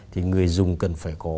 thì người dùng cần phải có